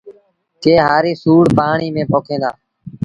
ڪي هآريٚ سُوڙ پآڻيٚ ميݩ پوکيݩ دآ